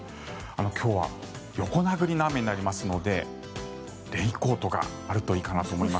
今日は横殴りの雨になりますのでレインコートがあるといいかなと思います。